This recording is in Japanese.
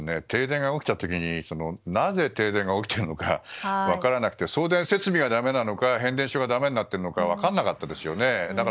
停電が起きた時になぜ、停電が起きているのか分からなくて送電設備がだめなのか変電所がだめになってるのか分からなかったですよね。